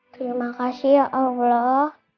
terima kasih ya allah